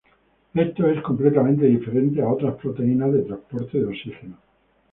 Esto es completamente diferente a otras proteínas de transporte de oxígeno.